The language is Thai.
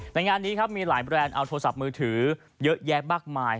งานนี้ครับมีหลายแบรนด์เอาโทรศัพท์มือถือเยอะแยะมากมาย